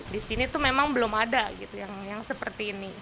di sini tuh memang belum ada gitu yang seperti ini